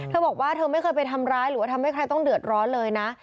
เธอบอกว่าเธอไม่เคยไปทำร้ายหรือว่าทำให้ใครต้องเดือดร้อนเลยนะ